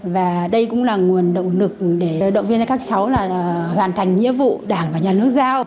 và đây cũng là nguồn động lực để động viên cho các cháu hoàn thành nhiệm vụ đảng và nhà nước giao